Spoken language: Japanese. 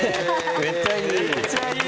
めっちゃいい。